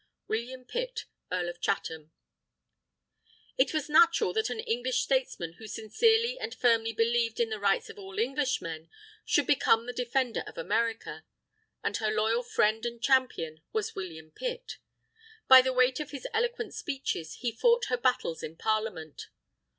_" WILLIAM PITT, Earl of Chatham It was natural that an English statesman who sincerely and firmly believed in the rights of all Englishmen, should become the defender of America. And her loyal friend and champion was William Pitt. By the weight of his eloquent speeches, he fought her battles in Parliament.